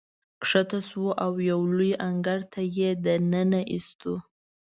ښکته شوو او یو لوی انګړ ته یې ننه ایستو.